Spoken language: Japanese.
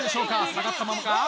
下がったままか？